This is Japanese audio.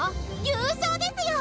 優勝ですよ！